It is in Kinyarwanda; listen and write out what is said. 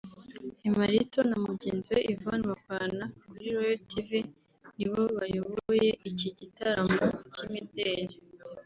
Emmalito na mugenzi we Yvonne bakorana kuri Royal tv nibo bayoboye iki gitaramo cy'imideri